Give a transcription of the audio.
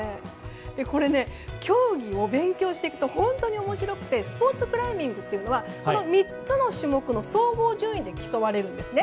これ、競技を勉強していくと本当に面白くてスポーツクライミングというのはこの３つの種目の総合順位で競われるんですね。